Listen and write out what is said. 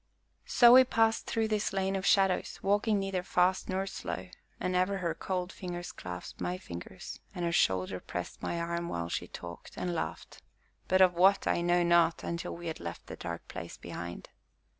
So we passed through this place of shadows, walking neither fast nor slow, and ever her cold fingers clasped my fingers, and her shoulder pressed my arm while she talked, and laughed, but of what, I know not, until we had left the dark place behind.